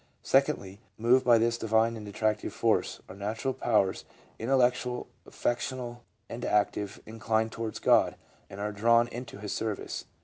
Secondly, moved by this divine and attractive force, our natural powers, intellectual, affectional and active, incline towards God, and are drawn into His service.